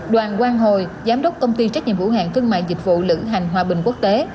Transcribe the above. đoàn quang hồi giám đốc công ty trách nhiệm vũ hạn cương mại dịch vụ lự hành hòa bình quốc tế